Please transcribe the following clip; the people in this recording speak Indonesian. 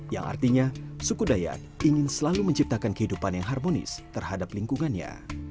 yang artinya suku dayak ingin selalu menciptakan kehidupan yang harmonis terhadap lingkungannya